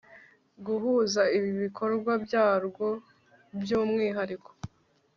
guhuza ibikorwa byarwo by umwihariko